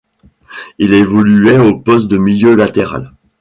Il évoluait au poste de milieu latéral.